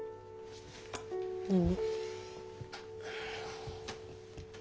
何？